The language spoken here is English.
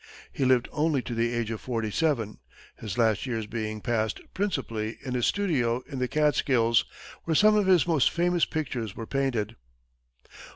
He lived only to the age of forty seven, his last years being passed principally in his studio in the Catskills, where some of his most famous pictures were painted.